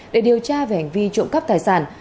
để điều tra về hành vi trộm cắp tài sản